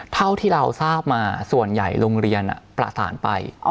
เท่าที่เราทราบมาส่วนใหญ่โรงเรียนประสานไป